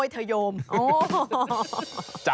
จ้ำเหรอ